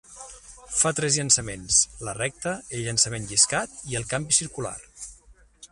Fa tres llançaments: la recta, el llançament lliscat i el canvi circular.